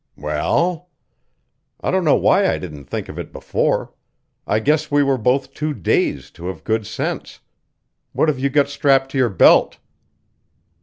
"Well?" "I don't know why I didn't think of it before. I guess we were both too dazed to have good sense. What have you got strapped to your belt?"